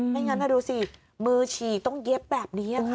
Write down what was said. ไม่งั้นดูสิมือฉี่ต้องเย็บแบบนี้ค่ะ